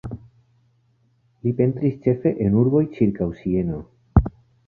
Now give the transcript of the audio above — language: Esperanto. Li pentris ĉefe en urboj ĉirkaŭ Sieno.